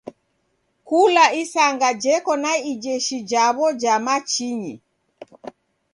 Kula isanga jeko na ijeshi jaw'o ja machinyi.